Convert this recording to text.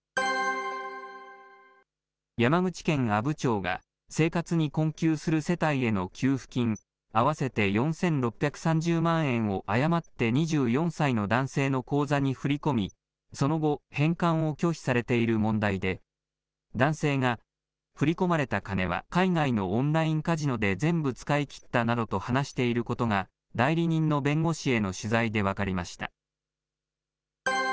山口県阿武町が、生活に困窮する世帯への給付金、合わせて４６３０万円を誤って２４歳の男性の口座に振り込み、その後、返還を拒否されている問題で、男性が振り込まれた金は、海外のオンラインカジノで全部使い切ったなどと話していることが、代理人の弁護士への取材で分かりました。